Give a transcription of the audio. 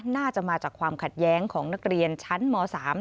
น่าจะมาจากความขัดแย้งของนักเรียนชั้นม๓